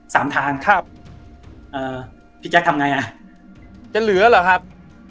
ทางครับเอ่อพี่แจ๊คทำไงอ่ะจะเหลือเหรอครับ